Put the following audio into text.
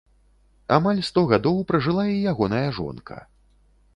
Амаль сто гадоў пражыла і ягоная жонка.